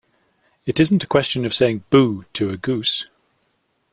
It isn't a question of saying 'boo' to a goose.